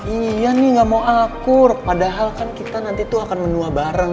iya nih gak mau akur padahal kan kita nanti tuh akan menua bareng